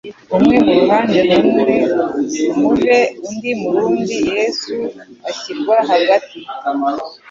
«umwe mu ruhande rumuve undi mu rundi, Yesu ashyirwa hagati.»